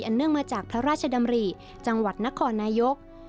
เนื่องมาจากพระราชดำริจังหวัดนครนายก